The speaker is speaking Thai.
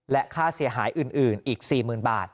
และค่าเสียหายอื่นอีก๔๐๐๐บาท